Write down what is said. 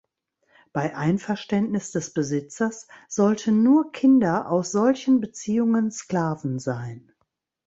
Bei Einverständnis des Besitzers sollten nur Kinder aus solchen Beziehungen Sklaven sein.